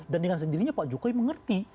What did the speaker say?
dan dengan sendirinya pak jokowi mengerti